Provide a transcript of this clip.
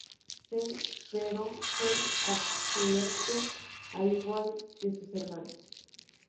C pero, fue absuelto al igual que sus hermanos.